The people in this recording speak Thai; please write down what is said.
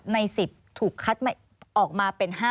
ใน๑๐ถูกคัดออกมาเป็น๕๐